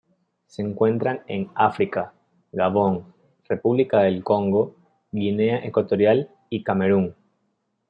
Se encuentran en África: Gabón, República del Congo, Guinea Ecuatorial y Camerún.